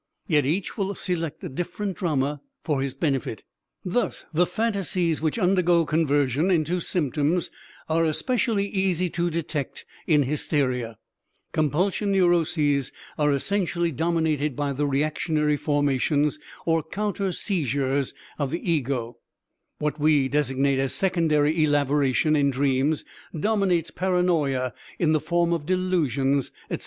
yet each will select a different drama for his benefit. Thus the phantasies which undergo conversion into symptoms are especially easy to detect in hysteria; compulsion neuroses are essentially dominated by the reactionary formations, or counter seizures of the ego; what we designate as secondary elaboration in dreams dominates paranoia in the form of delusions, etc.